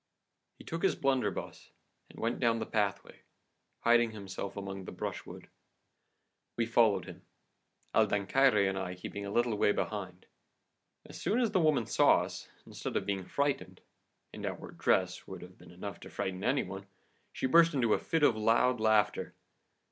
"He took his blunderbuss, and went down the pathway, hiding himself among the brushwood. "We followed him, El Dancaire and I keeping a little way behind. As soon as the woman saw us, instead of being frightened and our dress would have been enough to frighten any one she burst into a fit of loud laughter.